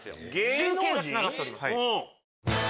中継がつながっております。